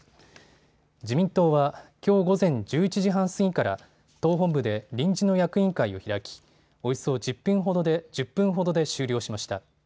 自民党はきょう午前１１時半過ぎから党本部で臨時の役員会を開きおよそ１０分ほどで終了しました。